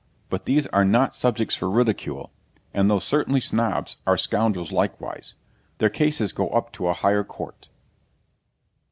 But these are not subjects for ridicule, and though certainly Snobs, are scoundrels likewise. Their cases go up to a higher Court.'